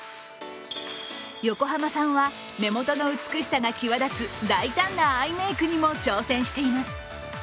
横浜さんは目元の美しさが際立つ大胆なアイメイクにも挑戦しています。